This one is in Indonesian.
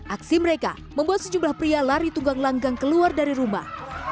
aksi mereka membuat sejumlah pria lari tunggang langgang keluar dari rumah